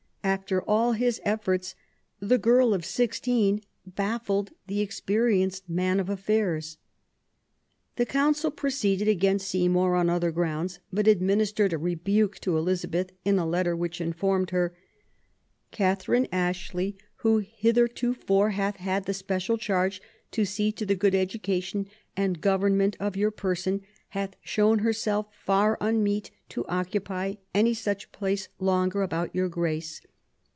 After all his efforts, the girl of sixteen baffled the experienced man of affairs. The Council proceeded against Seymour on other grounds, but administered a rebuke to Elizabeth in a letter which informed her :Catherine Ashley, who hithertofore hath had the special charge to see to the good education and government of your person, hath shown herself far unmeet to occupy any such place longer about your Grace.